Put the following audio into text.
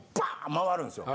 回るんですよ。